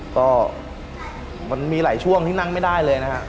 ก็มันมีหลายช่วงที่นั่งไม่ได้เลยนะฮะ